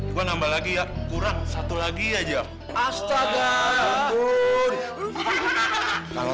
gue nambah lagi ya kurang satu lagi aja astaga